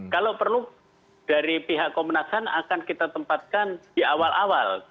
kalau perlu dari pihak komnas ham akan kita tempatkan di awal awal